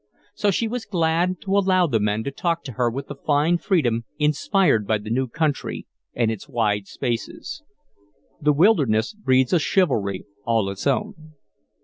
So she was glad to allow the men to talk to her with the fine freedom inspired by the new country and its wide spaces. The wilderness breeds a chivalry all its own.